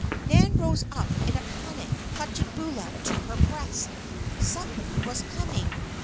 Nan rose up in a panic, clutching Beulah to her breast. Somebody was coming.